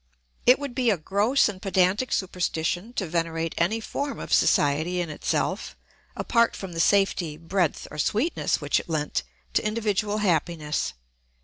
It would be a gross and pedantic superstition to venerate any form of society in itself, apart from the safety, breadth, or sweetness which it lent to individual happiness.